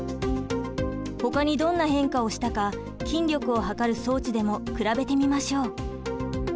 ほかにどんな変化をしたか筋力をはかる装置でも比べてみましょう。